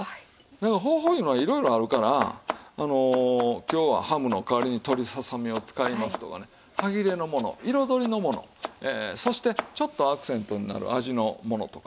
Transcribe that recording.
だから方法いうのはいろいろあるから今日はハムの代わりに鶏ささ身を使いますとかね歯切れのもの彩りのものそしてちょっとアクセントになる味のものとかね。